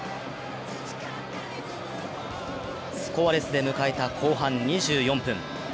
スコアレスで迎えた後半２４分。